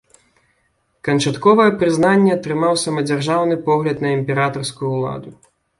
Канчатковае прызнанне атрымаў самадзяржаўны погляд на імператарскую ўладу.